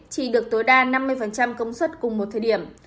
chỉ được tối đa năm mươi công suất cùng một thời điểm